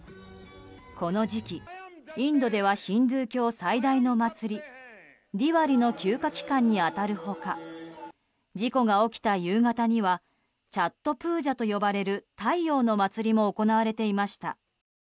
この時期、インドではヒンドゥー教最大の祭りディワリの休暇期間に当たる他事故が起きた夕方にはチャットプージャと呼ばれる太陽の祭りも行われていました。